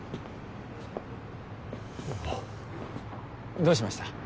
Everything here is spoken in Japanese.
どうしました？